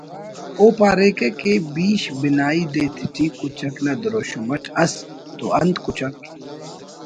او پاریکہ کہ بیش بنائی دے تیٹی کچک نا دروشم اٹ ئس تو انت کچک